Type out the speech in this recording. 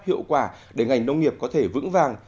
hiệu quả để ngành nông nghiệp có thể vững vàng